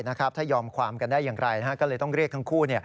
ถ้ายอมความกันได้อย่างไรก็เลยต้องเรียกทั้งคู่